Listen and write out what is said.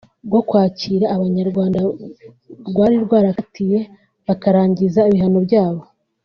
bwo kwakira Abanyarwanda rwari rwarakatiye bakarangiza ibihano byabo